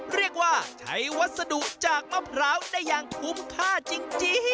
เรียกว่าใช้วัสดุจากมะพร้าวได้อย่างคุ้มค่าจริง